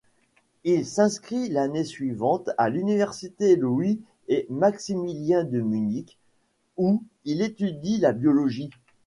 Il s'inscrit l'année suivante à l'université Louis-et-Maximilien de Munich, où il étudie la biologie.